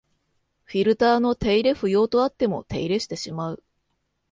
フィルターの手入れ不要とあっても手入れしてしまう